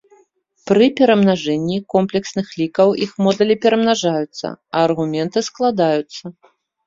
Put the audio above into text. Пры перамнажэнні камплексных лікаў іх модулі перамнажаюцца, а аргументы складаюцца.